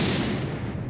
janganlah kau berguna